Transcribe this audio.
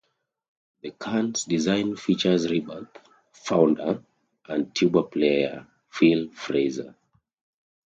The can's design features Rebirth founder and tuba player, Phil Frazier.